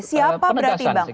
siapa berarti bang